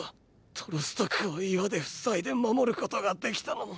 トロスト区を岩で塞いで守ることができたのも。